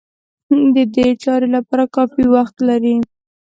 د دې چارې لپاره کافي وخت لري.